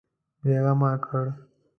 بېغمه کړ.